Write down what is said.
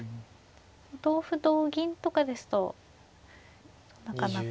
同歩同銀とかですとなかなか。